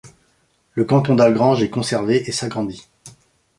Le canton d'Algrange est conservé et s'agrandit.